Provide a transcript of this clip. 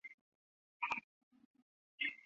可以升级成为四天。